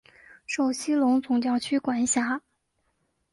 受西隆总教区管辖。